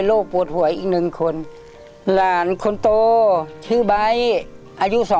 ลูกทุ่งสู้ชีวิต